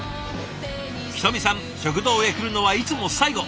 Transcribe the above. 人見さん食堂へ来るのはいつも最後。